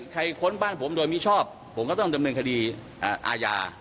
ค้นบ้านผมโดยมิชอบผมก็ต้องดำเนินคดีอาญา